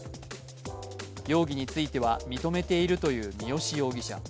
容疑については認めているという三好容疑者。